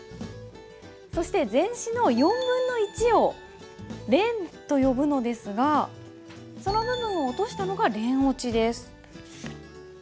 そして全紙の４分の１を聯と呼ぶのですがその部分を落としたのが聯落です。